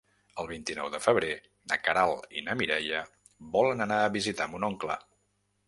El vint-i-nou de febrer na Queralt i na Mireia volen anar a visitar mon oncle.